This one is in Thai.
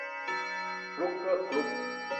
บรุ๊คเคอร์ กรุ๊ป